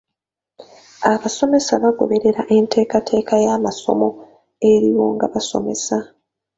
Abasomesa bagoberera enteekateeka y'amasomo eriwo nga basomesa.